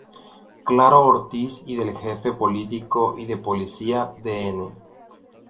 Claro Ortiz y del Jefe Político y de Policía Dn.